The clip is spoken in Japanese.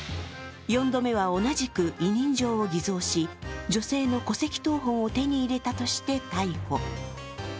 ４度目は同じく委任状を偽造し女性の戸籍謄本を手に入れたとして逮捕。